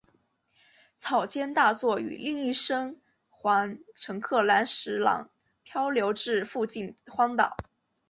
草间大作与另一生还乘客岚十郎漂流至附近荒岛。